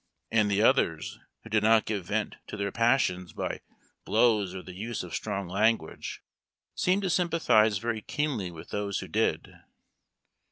And the others who did not give vent to their passions by blows JONAHS AND BEATS. 95 THE UNLUCKY MAN. or the use of strong language seemed to sympathize very keenly with those who did.